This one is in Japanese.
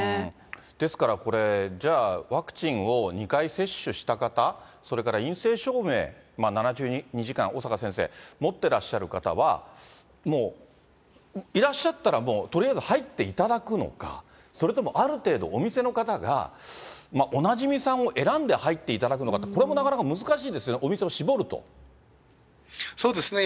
ですからこれ、じゃあ、ワクチンを２回接種した方、それから陰性証明、７２時間、小坂先生、持ってらっしゃる方は、もういらっしゃったらもう、とりあえず入っていただくのか、それともある程度、お店の方がおなじみさんを選んで入っていただくのかって、これもなかなか難しいですね、そうですね。